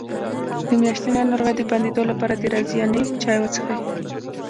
د میاشتنۍ ناروغۍ د بندیدو لپاره د رازیانې چای وڅښئ